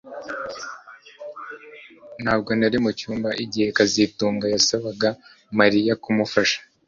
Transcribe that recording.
Ntabwo nari mucyumba igihe kazitunga yasabaga Mariya kumufasha